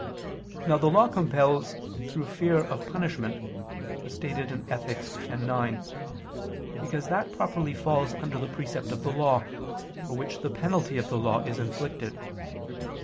Now the law compels through fear of punishment, as stated in Ethic. x, 9, because that properly falls under the precept of the law, for which the penalty of the law is inflicted.